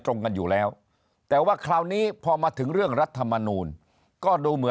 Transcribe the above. ตรงกันอยู่แล้วแต่ว่าคราวนี้พอมาถึงเรื่องรัฐธรรมนูนก็